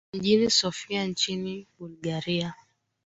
mjini sophia nchini bulgaria